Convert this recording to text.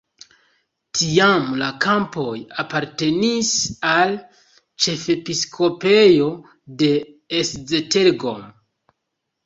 Tiam la kampoj apartenis al ĉefepiskopejo de Esztergom.